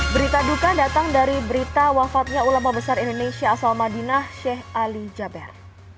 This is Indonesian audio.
berita duka datang dari berita wafatnya ulama besar indonesia asal madinah sheikh ali jaber